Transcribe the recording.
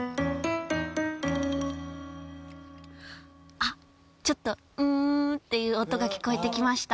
あっちょっと「ンー」っていう音が聞こえてきました